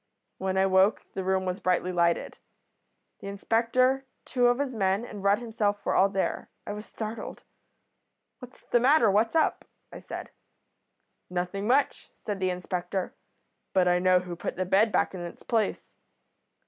"When I woke the room was brightly lighted. The inspector, two of his men, and Rudd himself were all there. I was startled. "'What's the matter? What's up?' I said. "'Nothing much,' said the inspector, 'but I know who put the bed back in its place.'